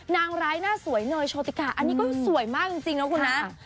นางร้ายหน้าสวยเนยโชติกาอันนี้ก็สวยมากจริงนะคุณนะ